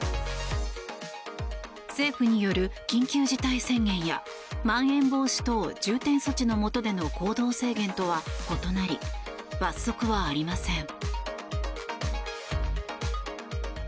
政府による緊急事態宣言やまん延防止等重点措置のもとでの行動制限とは異なり罰則はありません。